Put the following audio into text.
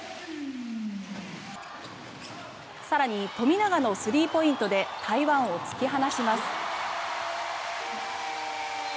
更に、富永のスリーポイントで台湾を突き放します。